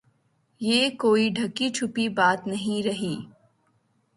یہ کوئی ڈھکی چھپی بات نہیں رہی۔